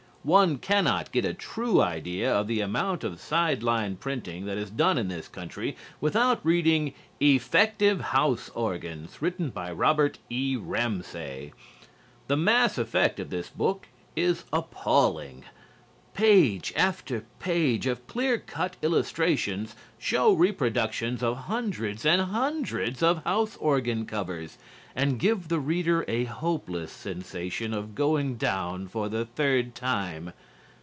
One cannot get a true idea of the amount of sideline printing that is done in this country without reading "Effective House Organs," written by Robert E. Ramsay. The mass effect of this book is appalling. Page after page of clear cut illustrations show reproductions of hundreds and hundreds of house organ covers and give the reader a hopeless sensation of going down for the third time.